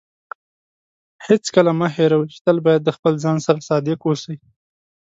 هیڅکله مه هېروئ چې تل باید د خپل ځان سره صادق اوسئ.